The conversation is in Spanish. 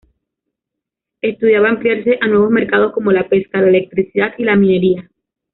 Estudiaba ampliarse a nuevos mercados como la pesca, la electricidad y la minería.